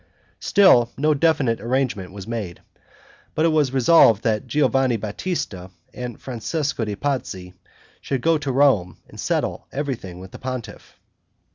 Still no definite arrangement was made; but it was resolved that Giovanni Batista and Francesco de' Pazzi should go to Rome and settle everything with the pontiff.